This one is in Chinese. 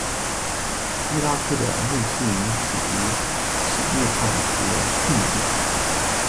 伊拉克的穆斯林属于什叶派和逊尼派。